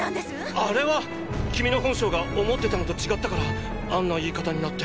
あれは君の本性が思ってたのと違ったからあんな言い方になって！